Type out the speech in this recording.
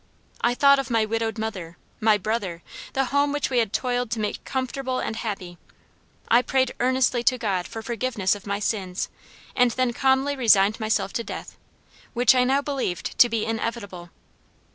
I thought of my widowed mother, my brother, the home which we had toiled to make comfortable and happy. I prayed earnestly to God for forgiveness of my sins, and then calmly resigned myself to death, which I now believed to be inevitable.